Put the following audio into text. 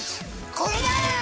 これだ！